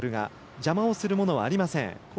邪魔をするものがありません。